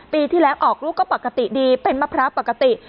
ปีที่แล้วออกลูกก็ปกติดีเป็นมะพร้าวปกติ